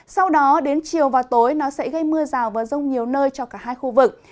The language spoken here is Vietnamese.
sau đó đến chiều và tối nó sẽ gây mưa rào và rông nhiều nơi cho cả hai khu vực